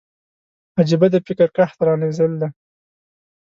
عجيبه د فکر قحط را نازل دی